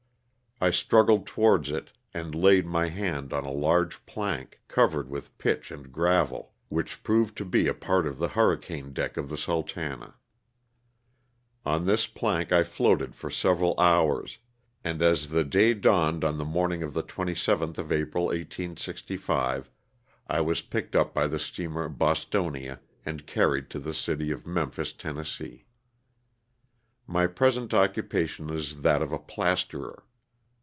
I struggled towards it and laid my hand on a large plank, covered with pitch and gravel, which proved to be a part of the hurricane deck of the ^'Sultana." On this plank I floated for several hours, and as the day dawned on the morning of the 27th of April, 1865, I was picked up by the steamer '' Bostonia " and carried to the city of Memphis, Tenn. My present occupation is that of a plasterer.